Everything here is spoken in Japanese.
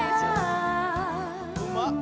うまっ・